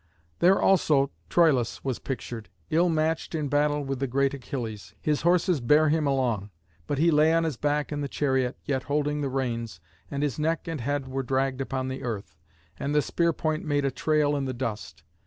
There also Troïlus was pictured, ill matched in battle with the great Achilles. His horses bare him along; but he lay on his back in the chariot, yet holding the reins, and his neck and head were dragged upon the earth, and the spear point made a trail in the dust.